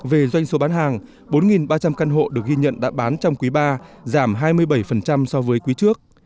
về doanh số bán hàng bốn ba trăm linh căn hộ được ghi nhận đã bán trong quý ba giảm hai mươi bảy so với quý trước